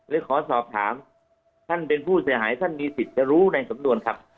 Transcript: ขอสอบถามท่านเป็นผู้เสียหายท่านมีสิทธิ์จะรู้ในสำนวนครับ